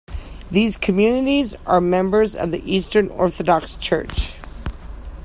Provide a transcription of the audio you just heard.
These communities are members of the Eastern Orthodox Church.